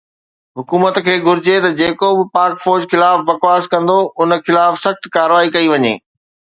حڪومت کي گهرجي ته جيڪو به پاڪ فوج خلاف بکواس ڪندو ان خلاف سخت ڪارروائي ڪئي وڃي